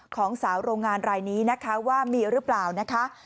ของสาวโรงงานรายนี้นะคะว่ามีหรือเปล่านะคะ